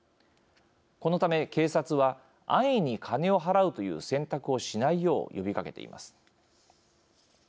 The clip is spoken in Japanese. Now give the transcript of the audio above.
このため、警察は安易に金を払うという選択をしないよう呼びかけています。